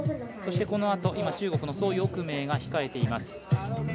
そして、このあと中国の蘇翊鳴が控えています。